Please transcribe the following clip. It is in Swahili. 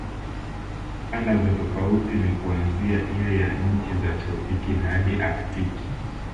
Kanda za tofauti ni kuanzia ile ya nchi za tropiki hadi aktiki